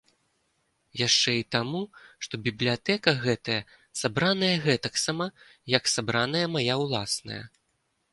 Яшчэ і таму, што бібліятэка гэтая сабраная гэтаксама, як сабраная мая ўласная.